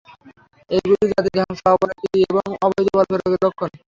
এইগুলি জাতির ধ্বংস, অবনতি এবং অবৈধ বলপ্রয়োগের লক্ষণ।